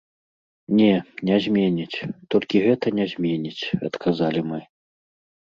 Не, не зменіць, толькі гэта не зменіць, адказалі мы.